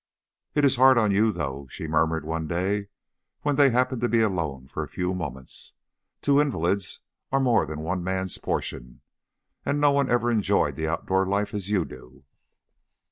"It is hard on you, though," she murmured one day, when they happened to be alone for a few moments. "Two invalids are more than one man's portion. And no one ever enjoyed the outdoor life as you do."